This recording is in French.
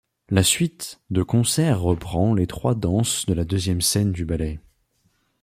La suite de concert reprend les trois danses de la deuxième scène du ballet.